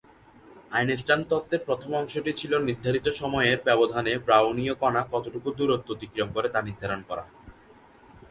আইনস্টাইনের তত্ত্বের প্রথম অংশটি ছিল নির্ধারিত সময়ের ব্যবধানে ব্রাউনীয় কণা কতটুকু দূরত্ব অতিক্রম করে তা নির্ধারণ করা।